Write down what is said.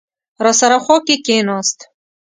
راسره خوا کې کېناست.